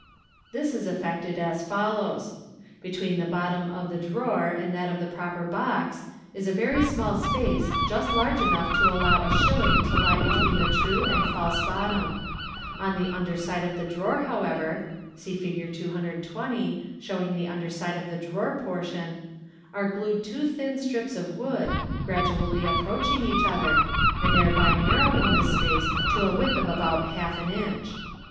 This is effected as follows: — Between the bottom of the drawer and that of the box proper is a very small space, just large enough to allow a shilling to lie between the true and false bot tom. On the under side of the drawer, how ever (see Fig. 220, showing the under side of the drawer portion), are glued two thin slips of wood, gradually approaching each other, and thereby narrowing this space to a width of about half an inch.